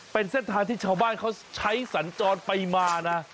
เป็นเส้นทางที่ชาวบ้านเขาใช้สัญจรไปมานะ